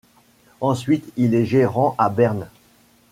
Ensuite, il est gérant à Berne.